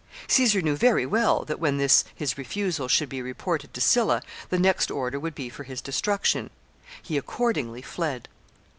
Caesar knew very well that, when this his refusal should be reported to Sylla, the next order would be for his destruction. He accordingly fled.